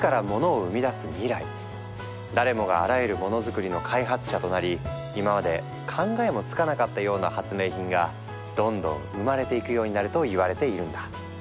誰もがあらゆるモノづくりの開発者となり今まで考えもつかなかったような発明品がどんどん生まれていくようになるといわれているんだ。